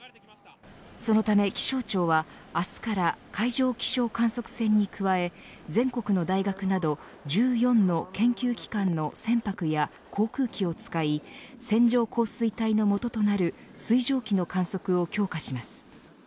そのため気象庁は明日から海上気象観測船に加え全国の大学など１４の研究機関の船舶や航空機を使い線状降水帯のもととなる水蒸気の観測を強化します。